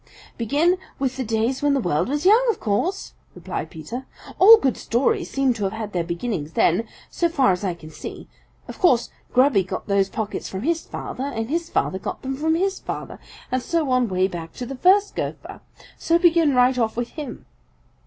"Begin with the days when the world was young, of course," replied Peter. "All good stories seem to have had their beginnings then, so far as I can see. Of course Grubby got those pockets from his father, and his father got them from his father, and so on way back to the first Gopher. So begin right off with him."